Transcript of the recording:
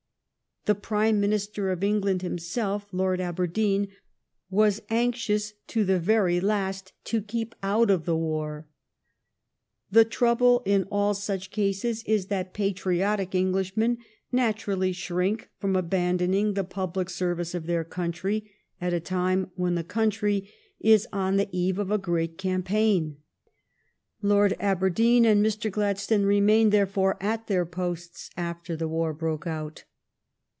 The Prime Minister of England himself, Lord Aberdeen, was anxious to the very last to keep out of the war. The trouble in all such cases is that patriotic Englishmen naturally shrink from abandoning the public service of their country at a time when the country is on the THE CRIMEAN WAR 183 eve of a great campaign. Lord Aberdeen and Mr. Gladstone remained, therefore, at their posts after the war broke out.